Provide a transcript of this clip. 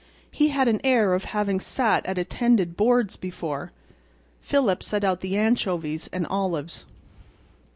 He had an air of having sat at attended boards before. Phillips set out the anchovies and olives.